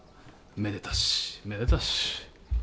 めでたしめでたし。